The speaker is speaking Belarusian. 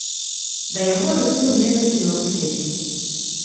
Да яго рыхтуем некалькі новых песень.